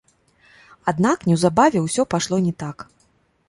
Аднак неўзабаве ўсё пайшло не так.